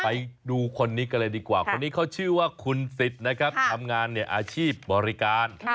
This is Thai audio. ไปดูคนนี้กันเลยดีกว่าคนนี้เขาชื่อว่าคุณสิทธิ์นะครับทำงานในอาชีพบริการ